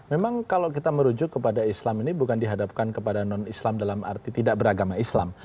memang kalau kita merujuk kepada islam ini bukan dihadapkan kepada non islam dalam arti tidak beragama islam